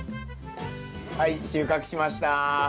はい収穫しました。